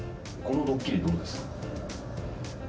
「このドッキリどうですか？」